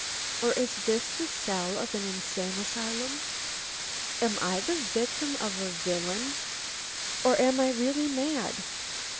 or is this the cell of an insane asylum? Am I the victim of a villain? or am I really mad?